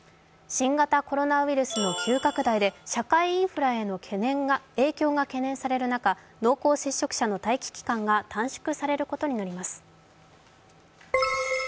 新型コロナウイルスの急拡大で社会インフラへの影響が懸念される中、濃厚接触者の待機期間が短縮されることになります。